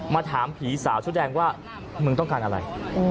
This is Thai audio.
ถามผีสาวชุดแดงว่ามึงต้องการอะไร